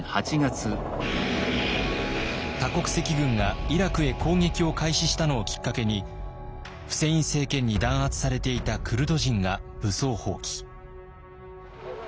多国籍軍がイラクへ攻撃を開始したのをきっかけにフセイン政権に弾圧されていたクルド人が武装蜂起。